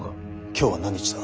今日は何日だ。